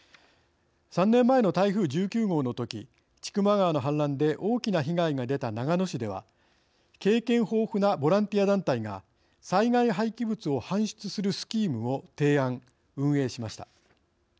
３年前の台風１９号のとき千曲川の氾濫で大きな被害が出た長野市では経験豊富なボランティア団体が災害廃棄物を搬出するスキームを提案、運営しました。